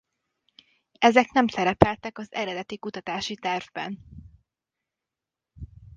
Ezek nem szerepeltek az eredeti kutatási tervben.